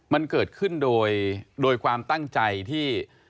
มันเกิดขึ้นโดยความตั้งใจที่